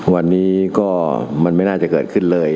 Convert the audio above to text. วันนี้ก็มันไม่น่าจะเกิดขึ้นเลย